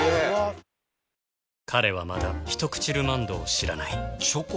彼はまだ「ひとくちルマンド」を知らないチョコ？